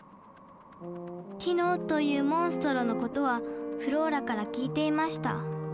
「ティノ」というモンストロのことはフローラから聞いていました